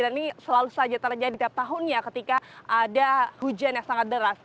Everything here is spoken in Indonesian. dan ini selalu saja terjadi setiap tahunnya ketika ada hujan yang sangat deras